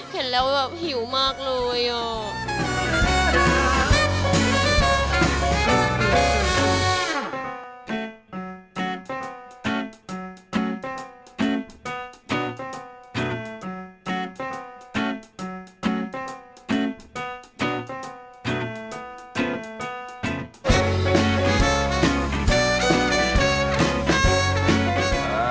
เห็นแล้วแบบหิวมากเลยอ่ะ